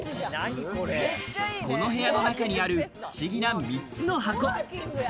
この部屋の中にある不思議な三つの箱。